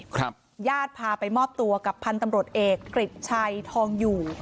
ญาติพาไปมอบตัวกับพันธุ์ตำรวจเอกกริจชัยทองอยู่